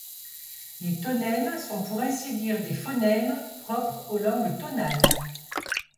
Les tonèmes sont pour ainsi dire des phonèmes propres aux langues tonales.